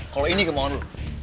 kalo ini kemauan lo